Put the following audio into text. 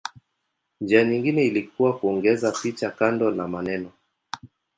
Njia nyingine ilikuwa kuongeza picha kando la maneno.